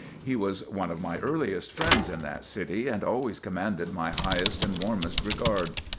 He was one of my earliest friends in that city and always commanded my highest and warmest regard.